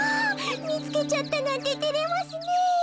みつけちゃったなんててれますねえ。